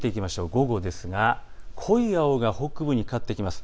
午後ですが濃い青が北部にかかってきます。